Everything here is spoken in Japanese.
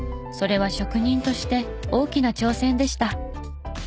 それは職人として大きな挑戦でした。